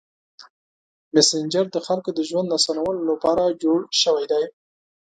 مسېنجر د خلکو د ژوند اسانولو لپاره جوړ شوی دی.